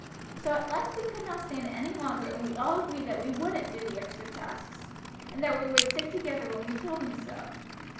"So at last we could not stand it any longer, and we all agreed that we wouldn't do the extra tasks, and that we would stick together when we told him so.